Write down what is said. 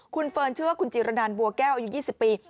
คุณเฟิร์นชื่อว่าคุณจิรนันบัวแก้วอายุ๒๐ปี